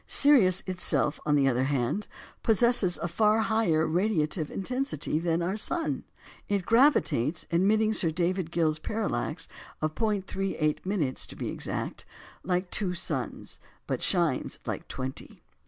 Sirius itself, on the other hand, possesses a far higher radiative intensity than our sun. It gravitates admitting Sir David Gill's parallax of 0·38" to be exact like two suns, but shines like twenty.